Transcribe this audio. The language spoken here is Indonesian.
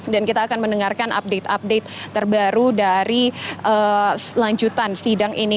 dan kita akan mendengarkan update update terbaru dari lanjutan sidang ini